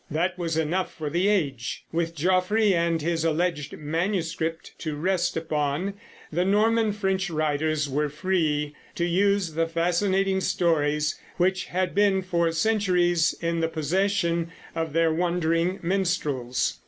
That was enough for the age. With Geoffrey and his alleged manuscript to rest upon, the Norman French writers were free to use the fascinating stories which had been for centuries in the possession of their wandering minstrels.